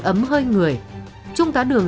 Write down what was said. ấm hơi người trung tá đường